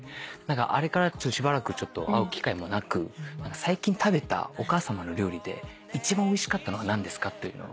あれから会う機会もなく最近食べたお母さまの料理で一番おいしかったのは何ですか？というのを。